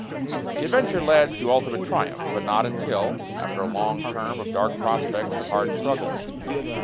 The adventure led to ultimate triumph, but not until after a long term of dark prospects and hard struggles.